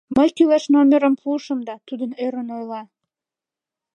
Мый кӱлеш номерым пуышым да, тудо ӧрын ойла: